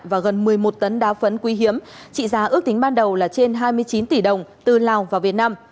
và gần một mươi một tấn đá phấn quý hiếm trị giá ước tính ban đầu là trên hai mươi chín tỷ đồng từ lào và việt nam